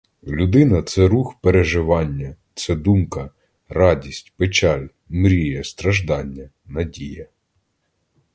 Людина — це рух переживання, це думка, радість, печаль, мрія, страждання, надія.